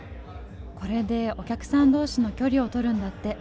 これでお客さん同士の距離をとるんだって。